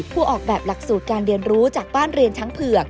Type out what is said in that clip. ผู้ออกแบบหลักสูตรการเรียนรู้จากบ้านเรือนช้างเผือก